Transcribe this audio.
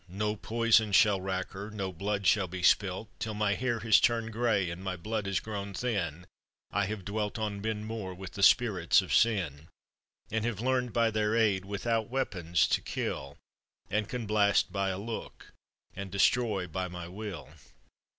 No poison shall rack her, no blood shall be spilt. Till my hair lias turn'd gray, and my blood has grown thin, I have dwelt on Ben Mor with the spirits of sin; And have learn'd by their aid without weapons to kill, And can blast by a look, and destroy by my will.